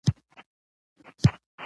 بیا به نوي ستونزې پیدا شي.